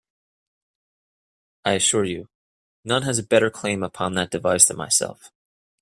I assure you, none has a better claim upon that device than myself.